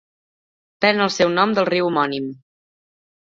Pren el seu nom del riu homònim.